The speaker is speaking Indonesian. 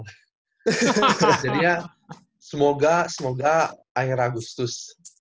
jadi ya semoga semoga akhir agustus